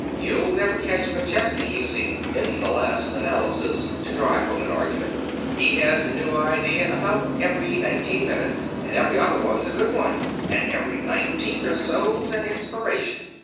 You'll never catch McChesney using 'in the last analysis' to drive home an argument. He has a new idea about every nineteen minutes, and every other one's a good one, and every nineteenth or so's an inspiration."